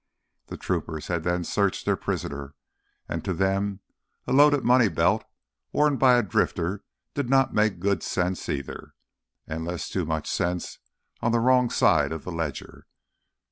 The troopers had then searched their prisoner and to them a loaded money belt worn by a drifter did not make good sense, either—unless too much sense on the wrong side of the ledger.